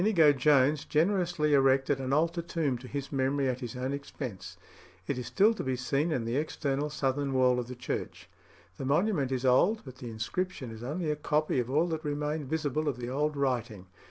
Inigo Jones generously erected an altar tomb to his memory at his own expense; it is still to be seen in the external southern wall of the church. The monument is old; but the inscription is only a copy of all that remained visible of the old writing.